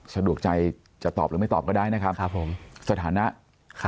สะดวกใจจะตอบหรือไม่ตอบก็ได้นะครับผมสถานะค่ะ